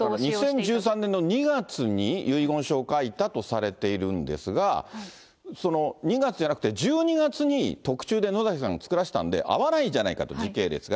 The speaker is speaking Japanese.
２０１３年の２月に遺言書を書いたとされているんですが、その２月じゃなくて、１２月に特注で野崎さんが作らせたんで、合わないじゃないかと、時系列がね。